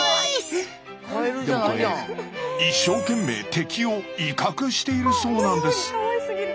でもこれ一生懸命敵を威嚇しているそうなんです。